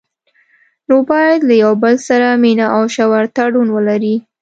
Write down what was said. نو باید له یو بل سره مینه او ژور تړون ولري.